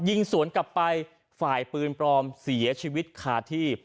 ยิงสวนกลับไปฝ่ายปืนปลอมเสียชีวิตคาที่